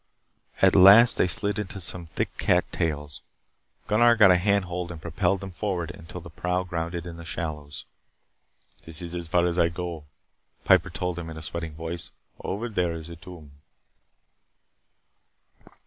At last they slid into some thick cat tails. Gunnar got a hand hold and propelled them forward until the prow grounded in the shallows. "This is as far as I can go," Piper told them in a sweating voice. "Over there is the tomb."